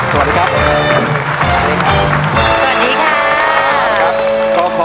สวัสดีครับสวัสดีค่ะ